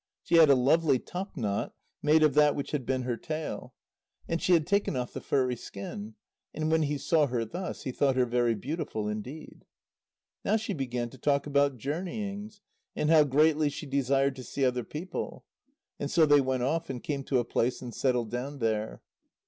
She had a lovely top knot, made of that which had been her tail. And she had taken off the furry skin. And when he saw her thus, he thought her very beautiful indeed. Now she began to talk about journeyings, and how greatly she desired to see other people. And so they went off, and came to a place and settled down there.